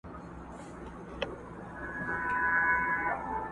د مېړنیو د سنګر مېنه ده!.